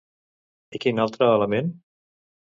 I quin altre element?